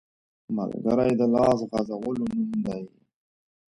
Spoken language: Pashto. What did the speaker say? ملګری د لاس غځولو نوم دی